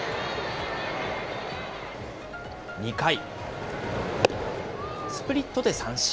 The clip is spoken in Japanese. ２回、スプリットで三振。